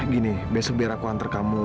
gini besok biar aku antar kamu